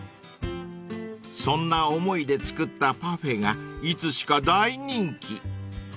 ［そんな思いで作ったパフェがいつしか大人気］